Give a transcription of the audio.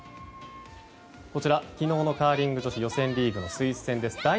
昨日のカーリング女子予選リーグのスイス戦です。